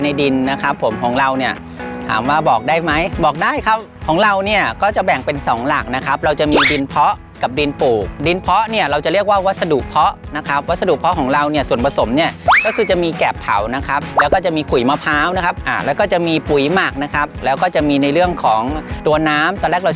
ดินนะครับผมของเราเนี่ยถามว่าบอกได้ไหมบอกได้ครับของเราเนี่ยก็จะแบ่งเป็นสองหลักนะครับเราจะมีดินเพาะกับดินปลูกดินเพาะเนี่ยเราจะเรียกว่าวัสดุเพาะนะครับวัสดุเพาะของเราเนี่ยส่วนผสมเนี่ยก็คือจะมีแกบเผานะครับแล้วก็จะมีขุยมะพร้าวนะครับแล้วก็จะมีปุ๋ยหมักนะครับแล้วก็จะมีในเรื่องของตัวน้ำตอนแรกเราจะ